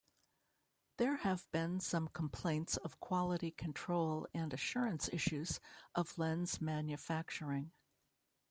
There have been some complaints of quality control and assurance issues of lens manufacturing.